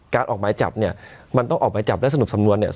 ออกหมายจับเนี่ยมันต้องออกหมายจับและสรุปสำนวนเนี่ย